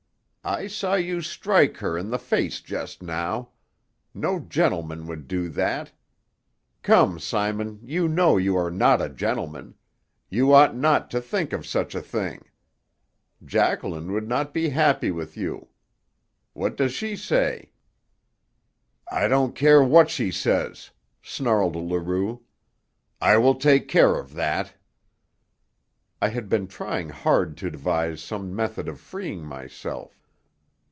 "I saw you strike her in the face just now. No gentleman would do that. Come, Simon, you know you are not a gentleman; you ought not to think of such a thing. Jacqueline would not be happy with you. What does she say?" "I don't care what she says," snarled Leroux. "I will take care of that." I had been trying hard to devise some method of freeing myself.